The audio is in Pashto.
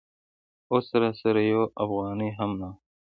اوس راسره یوه افغانۍ هم نه وه.